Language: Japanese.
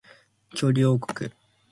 恐竜王国